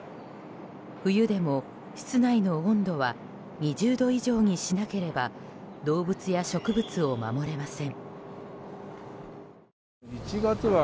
冬でも室内の温度は２０度以上にしなければ動物や植物を守れません。